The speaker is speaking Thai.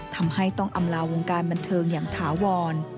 ทำให้ต้องอำลาวงการบันเทิงอย่างถาวร